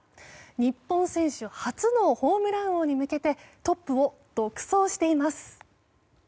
日本選手初のホームラン王に向けてトップを独走しています。